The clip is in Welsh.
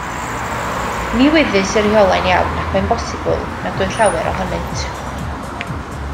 Ni wyddys y rheolau'n iawn ac mae'n bosibl nad oedd llawer ohonynt.